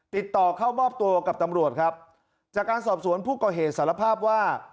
ติดต่อเข้ามอบตัวกับตำรวจครับจากการสอบสวนผู้ก่อเหตุสารภาพว่า